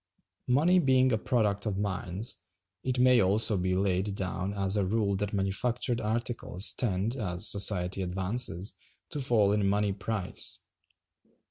Money being a product of mines, it may also be laid down as a rule that manufactured articles tend, as society advances, to fall in money price.